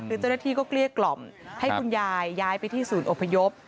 คือเจ้าหน้าที่ก็เกลี้ยกล่อมให้คุณยายย้ายไปที่ศูนย์อพยพ